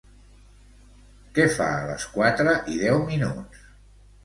Què fa a les quatre i deu minuts?